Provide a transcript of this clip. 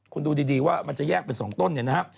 คุณดูดีว่ามันจะแยกเป็น๒ต้นเนี่ยนะครับ